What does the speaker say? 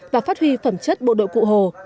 và phát huy phẩm chất bộ đội cụ hồ